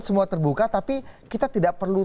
semua terbuka tapi kita tidak perlu